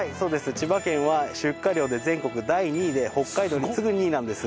千葉県は出荷量で全国第２位で北海道に次ぐ２位なんです。